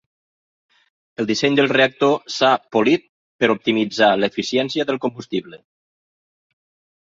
El disseny del reactor s'ha polit per optimitzar l'eficiència del combustible.